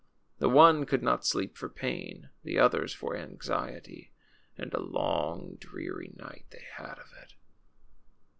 The one could not sleep for pain, the others for anxiety. And a long, dreary night they had of it.